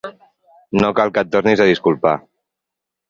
No cal que et tornis a disculpar.